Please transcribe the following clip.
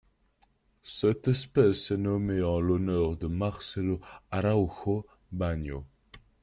Cette espèce est nommée en l'honneur de Marcelo Araújo Bagno.